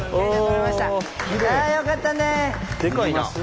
よかったね！